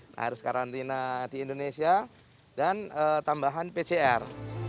nah harus karantina di indonesia dan tambahan pcr